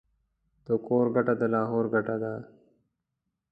د کور گټه ، دلاهور گټه.